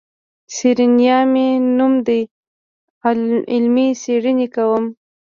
سېرېنا مې نوم دی علمي څېړنې کوم.